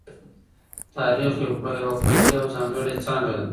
تاريخ يوه فردي او ځانګړې څانګه ده.